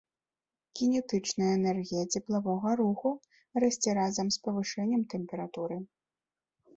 Кінетычная энергія цеплавога руху расце разам з павышэннем тэмпературы.